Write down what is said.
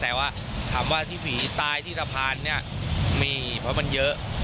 แต่ว่าถามว่าที่ผีตายที่สะพานเนี่ยมีเพราะมันเยอะ